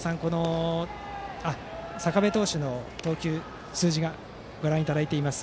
坂部投手の数字をご覧いただいています。